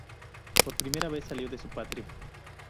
Por vez primera salió de su patria.